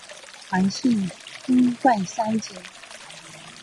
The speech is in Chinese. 韩信勋冠三杰。